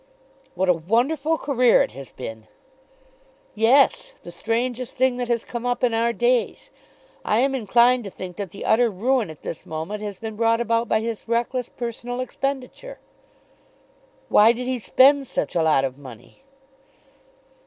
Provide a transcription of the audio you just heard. "What a wonderful career it has been!" "Yes, the strangest thing that has come up in our days. I am inclined to think that the utter ruin at this moment has been brought about by his reckless personal expenditure." "Why did he spend such a lot of money?"